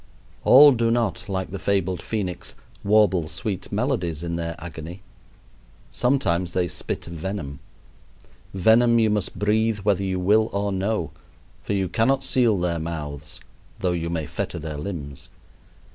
All do not, like the fabled phoenix, warble sweet melodies in their agony; sometimes they spit venom venom you must breathe whether you will or no, for you cannot seal their mouths, though you may fetter their limbs.